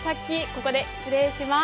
ここで失礼します。